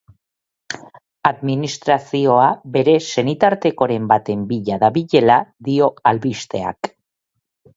Administrazioa bere senitartekoren baten bila dabilela dio albisteak.